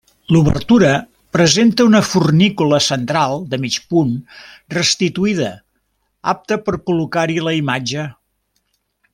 L'obertura presenta una fornícula central de mig punt, restituïda, apte per col·locar-hi la imatge.